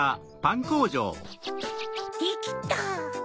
できた！